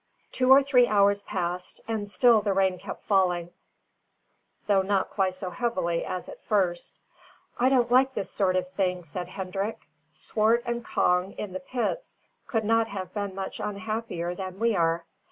Two or three hours passed, and still the rain kept falling, though not quite so heavily as at first. "I don't like this sort of thing," said Hendrik. "Swart and Cong, in the pits, could not have been much unhappier than we are.